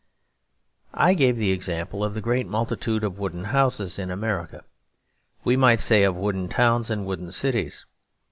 I gave the example of the great multitude of wooden houses in America; we might say of wooden towns and wooden cities.